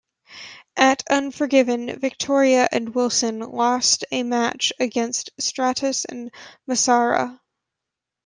At Unforgiven, Victoria and Wilson lost a match against Stratus and Massaro.